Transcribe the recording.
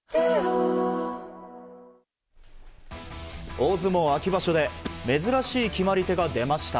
大相撲秋場所で珍しい決まり手が出ました。